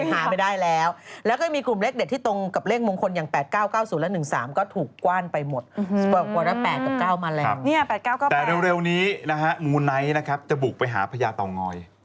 เจ้านี้นะฮะงูไนท์นะครับจะบุกไปหาพระยาต่องอย